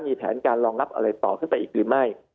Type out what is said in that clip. มีแผนการรองรับอะไรต่อขึ้นไปอีกหรือไม่